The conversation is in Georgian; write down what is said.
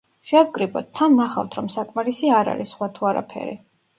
შევკრიბოთ, თან ვნახავთ, რომ საკმარისი არ არის, სხვა თუ არაფერი.